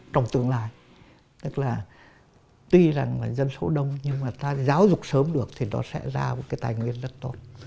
trong tương lai tức là tuy rằng dân số đông nhưng mà ta giáo dục sớm được thì nó sẽ ra một cái tài nguyên rất tốt